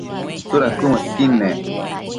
tsuda cuëmëdqui nec?